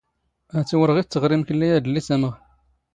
ⵀⴰⵜ ⵓⵔ ⵖⵉⴷ ⵜⵔⵖⵉ ⵎⴽⵍⵍⵉ ⵢⴰⴷⵍⵍⵉ ⵜⴰⵎⵖ.